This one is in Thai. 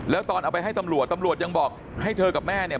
แล้วตอนเอาไปให้ตำรวจตำรวจยังบอกให้เธอกับแม่เนี่ย